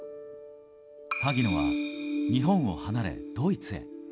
萩野は日本を離れドイツへ。